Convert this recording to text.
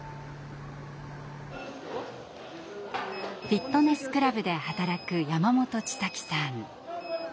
フィットネスクラブで働く山本千咲さん。